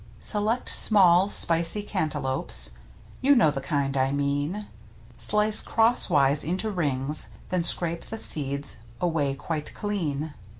Select small, spicy Cantaloupes — You know the kind I mean — Slice cross wise into rings, then scrape The seeds away quite clean.